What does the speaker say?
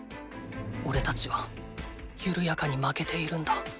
おれたちはゆるやかに負けているんだ。